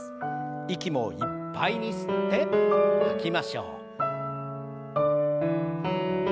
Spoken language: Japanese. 息もいっぱいに吸って吐きましょう。